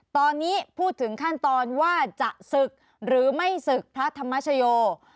ตอนนี้พูดถึงขั้นตอนว่าจะศึกหรือไม่ศึกพระธรรมชโย